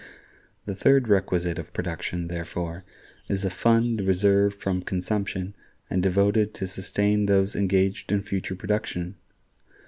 The third requisite of production, therefore, is a fund reserved from consumption, and devoted to sustain those engaged in future production....